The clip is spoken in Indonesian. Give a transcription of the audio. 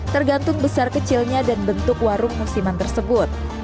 tergantung besar kecilnya dan bentuk warung musiman tersebut